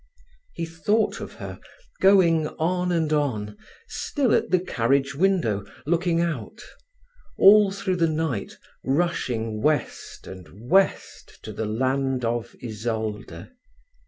He thought of her going on and on, still at the carriage window looking out; all through the night rushing west and west to the land of Isolde.